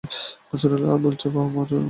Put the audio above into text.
আর বলছে বাবা-মায় উনার বিশ্ব।